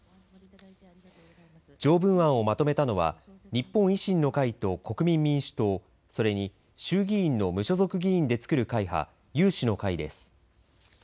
条文案をまとめたのは日本維新の会と国民民主党、それに衆議院の無所属議員で作る会派、有志の会です。